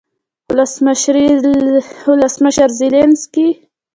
ولسمشرزیلینسکي